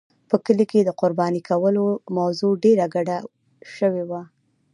په کلي کې د قربانۍ کولو موضوع ډېره ګډه شوې وه.